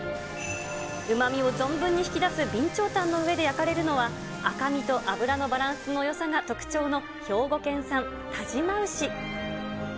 うまみを存分に引き出す備長炭の上で焼かれるのは、赤身と脂のバランスのよさが特徴の兵庫県産但馬牛。